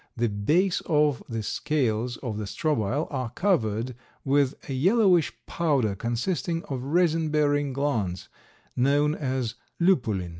The base of the scales of the strobile are covered with a yellowish powder, consisting of resin bearing glands, known as lupulin.